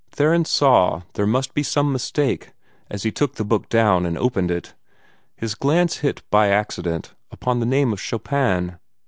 Theron saw there must be some mistake, as he took the book down, and opened it. His glance hit by accident upon the name of Chopin.